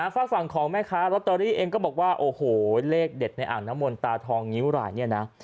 ฝากฝั่งของแม่ค้าลอตเตอรี่เองก็บอกว่าโอ้โหเลขเด็ดในอ่างน้ำมนตาทองงิ้วรายเนี่ยนะ